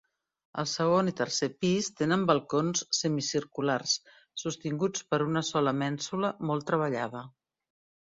El segon i tercer pis tenen balcons semicirculars sostinguts per una sola mènsula molt treballada.